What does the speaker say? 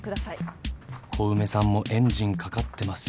小梅さんもエンジンかかってます。